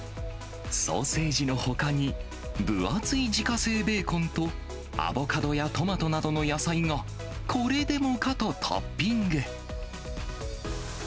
ソーセージのほかに、分厚い自家製ベーコンと、アボカドやトマトなどの野菜がこれでもかとトッピング。